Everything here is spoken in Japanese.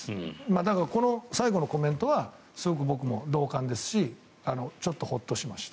だから、最後のコメントはすごく僕も同感ですしちょっとホッとしました。